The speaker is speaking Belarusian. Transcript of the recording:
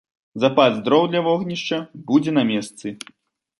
Запас дроў для вогнішча будзе на месцы.